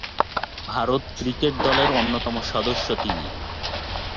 Bharat cricket দলের অন্যতম সদস্য তিনি।